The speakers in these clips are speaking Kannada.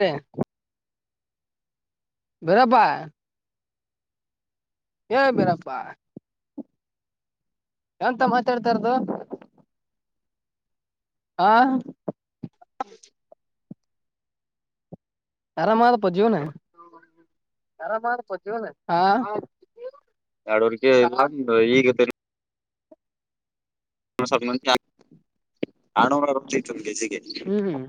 ನ್ [unintelligible] ಬೇರಪ್ಪಾಯ ಏ ಬೀರಪ್ಪಾ ಎಂತ ಮಾತಾಡ್ತಾಾರ್ದದು ಹ ಹ ಅರಾಮದಪ್ಪ ಜೀವನ ಆರಾಮದಪ್ಪ ಜೀವನ ಹಾ ಎರಡವರ್ಗೆ ಬಂಧು ಈಗ ತೆ ತಂದೆ ಕೆಜಿಗೆ [unintelligible] ಹ್ಮ್ ಹ್ಮ್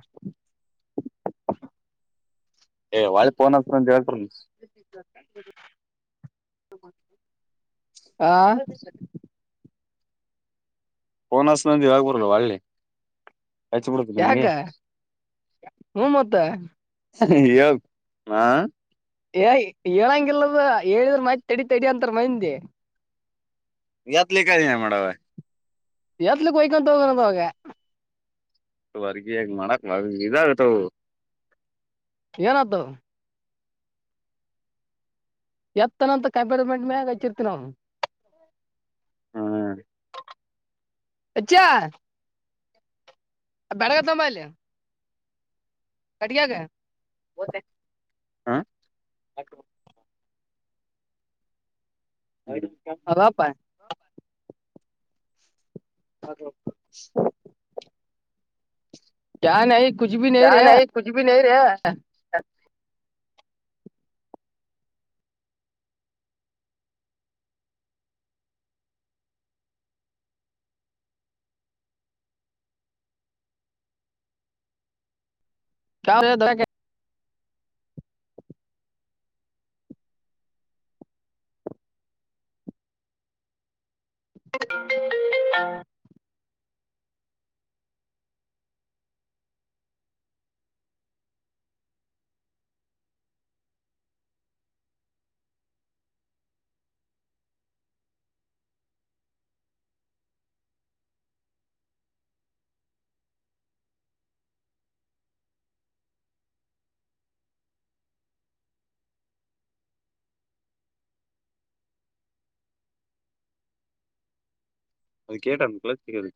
ಏ ವಳಿ ಪೋನ್ ಅತಂತ ಹೇಳ್ತ [inaudible] ಹಾ ಫೋನೆತ್ತಿನಂತ ಹೇಳ್ ಗುರು ಒಳ್ಳೆ ಹಚ್ಚ ಬಿಡುದು ಯಾಕ ನಂಗೆ ಹ್ಮ ಮತ್ತ ಯೋಗ ಹಾ ಏ ಹೇಳಂಗಿಲ್ಲದ ಹೇಳಿದ್ರ ಮತ್ ತಡಿ ತಡಿ ಅಂತಾರ ಮಂದಿ ಎತ್ಲಿ ಕಿನ ಮಾಡವ ಎತ್ಲಿಕ್ಕೆ ಹಯ್ಕೊಂತ ಹೋಗೋ ಅವಾಗ ವರ್ಗಗ್ ಮಾಡಕ್ ಮ ಇದಾಗ ಹಾವು ಏನ್ದು ಎತ್ತನಂತ ಕೈಬೇರ್ ಮಂಡ ಮೇಾಗ ಹಚ್ಚಿರ್ತಿ ನಮ್ ಹಾ ಅಚ್ಚಾ ಬೆಳಗ ತಂಬ ಅಲ್ಯ ಕಟಿಯಾಗ ಹಾ [unintelligible] ಹೌದು [inaudible] ಅದಪಾ ಹ [unintelligible] ಓಕೆ [inaudible] ಹ್ಮ [unintelligible] ಕ್ಯಾ ನೈ ಕುಚ್ ಭಿ ನೈ ರೇ [unintelligible] ಕುಚ್ ಬಿ ನೈ ರೇ [unintelligible] ಕ್ಯಾ ರೇ [unintelligible] [inaudible] ವಿಕೆಟ್ ಅದನ್ನ ಕೆಳಗ ತಗಿರಿ.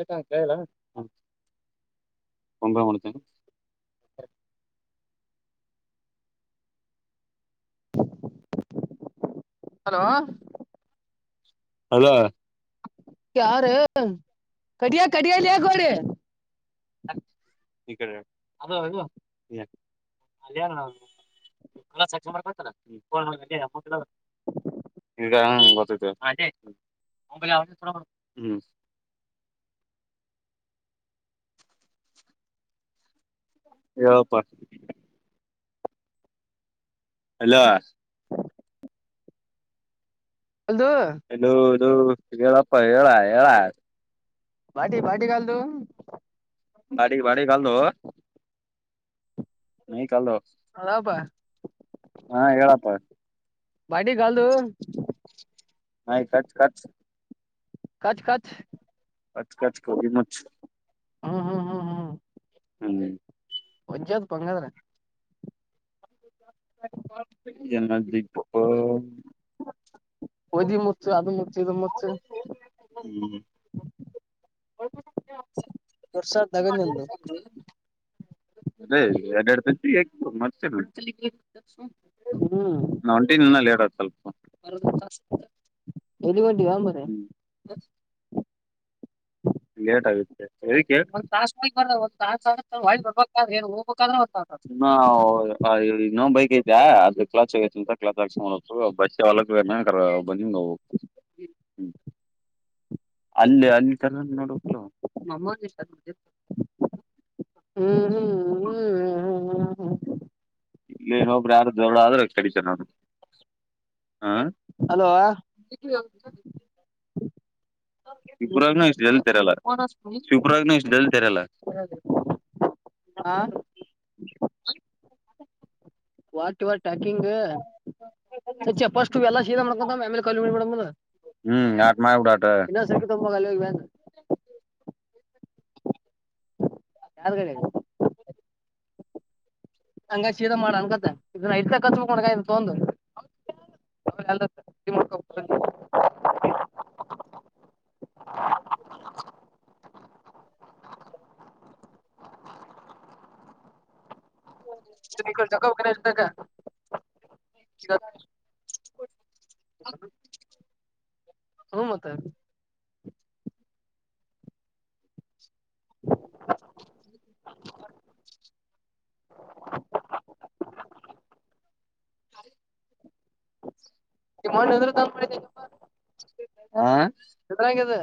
ಎಸ್ಟ್ ಆತ ಹೇಳನ್ನಾ ಒಂದಾಮಿನಿಟ್ ತಡಿ ಹಲೋ ಅಲೋ ಯಾರ ಕಡಿಯ ಕಡಿಯ ಲೆ ಗೋರಿ ಯ್ಕ್ ಈಕಡೆ ಅದು ಅದು ಯ್ಯ್ ಅಲ್ಲೆನ್. ಕ್ಲಚ್ಹಾಕೊಂಡ್ಬರ್ತೇತ್ತಲ್ಲ ಫೋನ್ ತಟೇ ಅಮೌಂಟ್ ಅದಾವ. ಇಗ ಗೊತ್ತೇತಿ ಹಾತೆ ಮೊಬೈಲ್ ಯಾವಾಗ್ ಕೊಡವ ಹು. ಹೇಳೋಪಾ ಹಲೋ ಹಲೋ ಹಲೋ ಹಲೋ ಹೇಳಪ್ಪ ಹೇಳ ಹೇಳ. ಭಾಟಿ ಭಾಟಿ ಕಲ್ ತು. ಬಾಡಿ ಬಾಡಿ ಕಲ್ದು. ನಹಿ ಕಲ್ದು. ಹಲೋಪಾ ಹಾ ಹೇಳಪ್ಪ ಭಾಟಿ ಗಲ್ ದು ನಾಯಿ ಕಚ್ ಕಚ್ ಕಚ್ ಕಚ್ ಕಚ್ ಕಚ್ ಕೋಬಿ ಮುಚ್ ಹು ಹು ಹು ಹು ಒಜ್ಜದ್ಪಾ ಹಂಗಾದ್ರ ಎನ್ನಾ ಲಿಟ್ಟ ಪೋ ಒದಿ ಮುಚ್ಚ ಅದು ಮುಚ್ಚ ಇದು ಮುಚ್ಚ ಹು [unintelligible] ವರ್ಷಾತ್ ತಗ ನಿಂದು ಅದೇ ಎರಡೆರಡು ತತ್ತಿ ಹಾಕ್ಬೇದ ಮತ್ತೆ ಹು ಹೊಂಟಿಲ್ಲ ಇನ್ನ ಲೇಟ್ ಆಗುತ್ ಸ್ವಲ್ಪ್ [unintelligible] ಎಲ್ಲಿಗೊಂಟಿಯೋ ಆ ಮ. ತಡ್ರಿ ಲೇಟ್ ಆಗುತ್ತೆ ಎದಕ್ಕೆ ಒಂದು ತಾಸು ಹೋಗಿ ಬರಕೇ ಒಂದು ತಾಸು ಆಗುತ್ತೆ ಒಳ್ಳಿ ಒಂದು ಹೋಗ್ಬೇಕಾದ್ರೆ ಒನ್ ತಾಸ್ ಆಗುತ್ತೆ. ಇನ್ನು ಇನ್ನೋ ಬೈಕ್ ಐತೆ ಅದ ಕ್ಲಚ್ ಹೊಗೈತಿಂತ ಕ್ಲಚ್ ಹಾಕಸ್ಕೊಂಡ್ ಬರ್ಕ್. ಹಲೋ ಬಸ್ಯ ಹೊಲಕ್ಕೆ ಹೋಗ್ಯಾನ ಹಂಗಾರ ಬಂದಿದ ಹೋಗ್ಬೇಕ್. ಅಲ್ಲೆ ಅಲ್ಲಿ ತಗದ ನೋಡಬೇಕಿಲ್ಲ ಅವ ಮಮೋಜಿಶ್ಬುದ್ದಿ. ಹು ಹು ಹು ಹು ಹು ಇಲ್ಲನೊಬ್ರ ಯಾರ ದೋಳ ಆದ್ರ ಕಡಿತ ನಾನು ಹ. ಹಲೋ.. ತಿಕ್ಲಿ [inaudible] ಶವಪುರಗ ಇಷ್ಟು ಜಲ್ ತೆರಲ್ಲ ಶಿವ ಪುರಣ್ಣ ಇಷ್ಟು ಜಲ್ ತೆರೆಯಲ್ಲ ತೆರೆಲ್ಲ ರಿ. ಹಾ ಏನಪ್ಪಾ ವಾಟ್ ಯುವರ್ ಟಾಕಿಂಗ್. ಇಚ್ಚ ಫಸ್ಟು ಎಲ್ಲ ಸೀದ ಮಾಡ್ಕಂತ ಆಮೇಲೆ ಕಲ್ [unintelligible] ನಾಕ್ ಮಂದ್ [unintelligible] ಇನ್ನೊಂದು ಸಂಕ್ಕೆ ತಗೊಬೊಗ್ ಅಲ್ಹೋಗ್ [unintelligible] ಯಾರ್ ಗಡೆಗೆ. ಹಂಗ ಶೀದಾ ಮಾಡ ಅನ್ಕತ್ತ ಇದ ಇಡ್ತ ಕಚ್ಕೊಂಡ ತಗೊಂದು [unintelligible] [unintelligible] [unintelligible] [unintelligible] [unintelligible] ಹ [unintelligible] ಹ್ಮ್ ಮತ್ತೆ. ಹ [unintelligible] [inaudible] ಹರಿ [unintelligible] ನಿ ಮೊನ್ನೆ ಯಾದ್ರು ಕಾಲ್ ಮಾಡಿದ್ - - ಹ್ಮ ಇದ್ರಂಗ್ಅದು.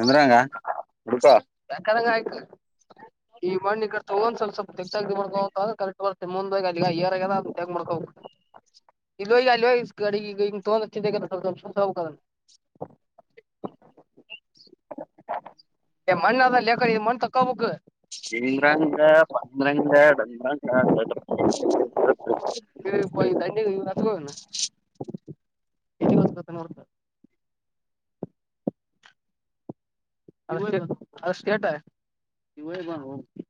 ಅಂದ್ರೆ ಗ ಇಡ್ಕೊ ಸಾಕತ್ತಾಗ್ ಆಯ್ತು. ಈ ಮಣ್ಣಿ ಕಡೆ ತಗೊ ಸ್ವಲ್ಪ್ ಸ್ವಲ್ಪ್ ತಗಿ ಮಾಡಕ ಕರೆಕ್ಟ್ ಬರುತ್ತೆ ಮುಂದ ಅಲ್ಲಿ ಏರ್ ಆದ ತಗ ಮಾಡ್ಕೋ. ಇಲ್ಲಿ ಹೋಗಿ ಅಲ್ಲಿ ಹೋಗಿ ಗಾಡಿ ಇಂಗ್ ತಗೊಂಡ್ ಚಿಂತೆಲ್ಲ ತಗೋಬೇಕಾ ಅದ್ನ. ಮಣ್ಣ ಅದಲ್ಲ ಕರಿಯ ಮಣ್ಣ ತಕ್ಕೊಬೇಕು. ಚಂದ್ರಂಗ ಪಂದ್ರಂಗ ಡಂದ್ರಗ [unintelligible] ಅಯ್ಯೋ ಯಪ್ಪಾ ದಂಡಿ ಇವನ ಎತ್ಕೋ ಇವ್ನ [unintelligible] ಅಷ್ಟೇ ಅಷ್ಟ ಕೆೇಟ [unintelligible]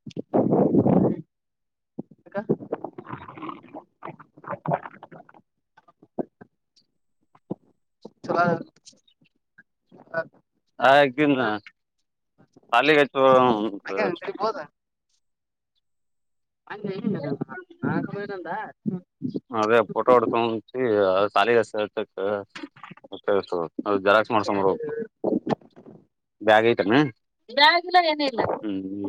[unintelligible] ಯಾಕ [unintelligible] ಚಲ ಹಾಗಿನ ಕಾಲಿಗತ್ [unintelligible] ಅಕ್ಕ [unintelligible] ಅಲ್ಲಿ ಆಗ್ಮೇನ್ ಅಂದ. ಅದೇ ಫೋಟೋ ಹೊಡ್ಕೊಂಡಿ [unintelligible] [unintelligible] ಜರಾಕ್ಸ್ ಮಾಡ್ಸ್ಕಬರ್ಬೇಕು ಬ್ಯಾಗ್ ಐತನ ಬ್ಯಾಗಿಲ್ಲ ಎನಿಲ್ಲ.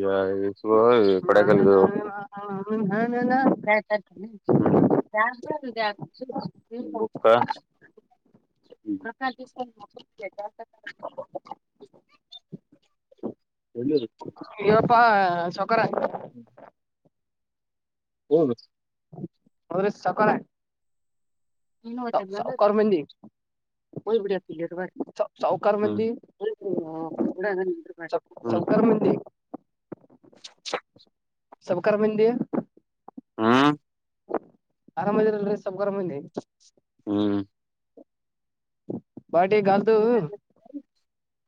ಯಾ ಇ ಸು [unintelligible] ನಾ ನಾನ ನಾ ನರಿ ನನಾನ. [unintelligible] ಹು [unintelligible] ತಗ [unintelligible] [unintelligible] ಎಲ್ಲದೆ. ಇಯಪ್ಪಾ ಸವ್ಕಾರ. ಹ್ಮ್ ಹು ನ್ರಿ ಬರ್ರಿ ಸವ್ಕಾರೆ. ಸವ್ಕಾರ್ ಮಂದಿ. ಹಯ್ ಬಿಯತಿಲ್ಲಿರುವ ಸಾವಕಾರ ಹ್ಮೇ ಮಂದಿ [unintelligible] ಸಬ್ ಕಬಂದ ಹಾ ಆರಾಮ ಇದದಿರಲ್ರಿ ಸಲ್ ಗರಾಮಂದಿ ಹ್ಮ ಬಟ ಗಲ್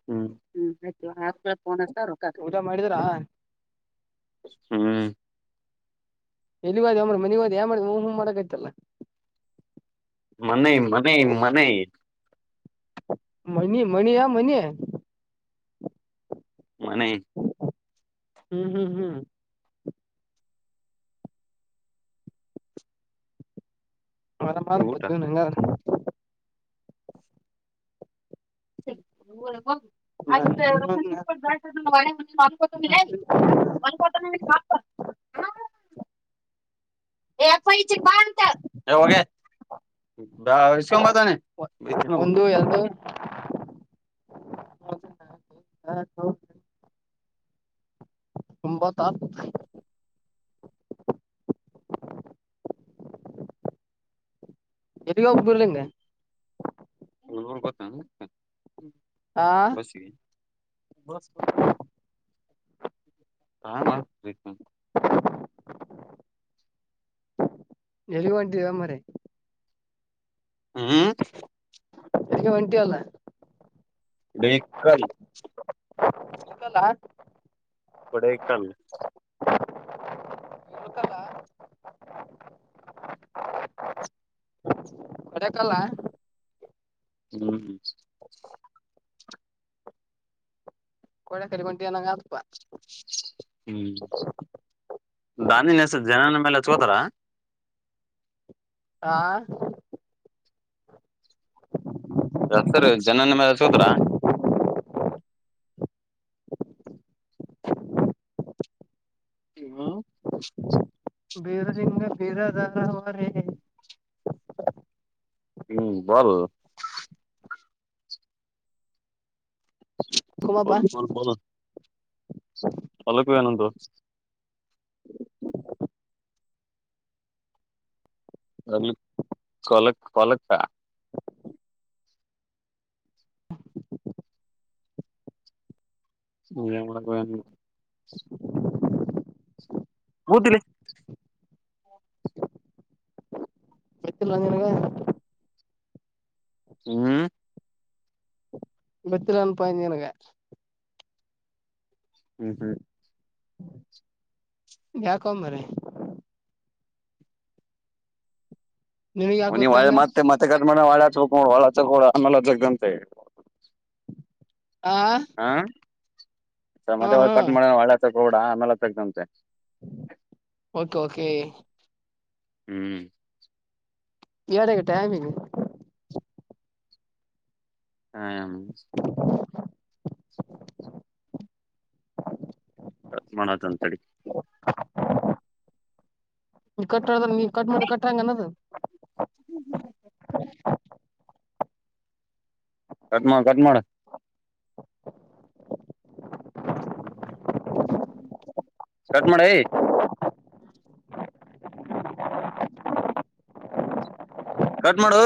ಹ್ಮ ಆಯ್ತ ಆ ಪನ ಸಾರ ಊಟ ಮಾಡಿದ್ರಾ ಹ್ಮ್ ಎಲ್ಲಿ ಹೋದು ಮಾಡ್ರ ಮಿಗೋ್ ಯ ಮಾಡ ಹೂ್ ಮಾಡಕ್ತಲ್ಲ ಮನೆ ಮನೆ ಮನೆ ಮನಿ ಮಣಿಯಾ ಮನಿ ಮನೆ ಹ್ಮ್ ಹ್ಮ್ ಹ್ಮ್ ಮರ ಮಾ ಬ ಊಟ ನಂಗ ರಪ ಮಾುಕ ಮ [unintelligible] [inaudible] ಒಂದ ಕತ ಎಫಐ ಬೋಗ ಬಷಂಬ ತಾನೆ ಒಂದು ಎಲ್ದು ತಂಬತ್ತ ಎಲ್ಲಿಗ ಬರ್ಲ ಹ ಗೊತ್ತ ಆ ಬಸಿಗೆ ಕ ಎಲಿ ಒಂಟವ ಮ್ರ ಹ್ಮ್ ಅಕ್ಕೆ ವಂಟಿ ಅಲ್ಲ ಡ ಕಳಿ ಹಲ್ಲ ಕಡ ಕಲ್ಲ ಇತ್ತಲ್ಲ ಹೊಡಕಲ್ಲ ಹ್ಮ್ಮ ಕಡೆ ಕರಿಮಂಟಿ ನಂಗಗೆ ಹತ್ಪ್ಪ ಹ್ಮ್ ದನ್ಿನ್ಯಸ ಜನನ ಮೇಲೆಚ್ಕೋತಾರ ಆಾ ಸರ್ ಜನ ನಿ ಚೋದರ [inaudible] ಬೀರಲಿಂಗ ಬೀರದಾರ ಅವ ರ ಹ್ಮ್ ಬ ಕುಮಪ್ಪ ಬ ಬ ಬಲ ಅಲಕ್ವ ನದು ಅ ಕೊಲಕ್ ಕೊಲಕ್ಕ [unintelligible] ಹ ಗ [unintelligible] [inaudible] ಮುೂದಲಿ ಗೊತ್ತಿಲ್ಲೆ ನಿನಗೆ ಹ್ಮ್ [unintelligible] ಗೊತ್ತಿಲ್ ಏನಪ್ಪ ಅಂದ್ರೆ ನಿನಗೆ ಹ್ಮ್ ಹ್ಮ್ [unintelligible] ಯಾಕೋ ಮಾರಯ್ಯ ನಿನಗ್ ಯಾಕ ವ ನೀ ಗೊತ್ತಂಗ ಮತ್ತೆ ಮತ್ತೆ ಕಟ್ ಮಾಡಿದ್ರೆ ನೋಡು ಮತ್ತೇ ಅಚ್ಚುಬೇಕು ಅಗ ಅಂತ ಆ ಹಾ ಹಾ ಮತ್ತ ಒಳ ಹಾ ಕಟ್ ಮಾಡ ಒಳ್ಳೆ ತೋಡ ಆಮೇಲೆ ತಗತಂತೆ [unintelligible] ಓಕೆ ಓಕೆ ಹ್ಮ್ [unintelligible] ಎಡಗೆ ಟೈಮಿನ ಹಾಮ ಕಟ್ ಮಾಡಕ್ಕತ್ತೀನಿ ತಡಿ ನಿನ್ ಕಟ್ ಮಾಡು ಕಟ್ಟಂಗಿಲ್ಲ ಹ್ಮ ಹ ಕಟ್ ಮಾಡ್ ಕಟ್ ಮಾಡು ಕಟ್ ಮಾಡೆ ಕಟ್ ಮಾಡೋ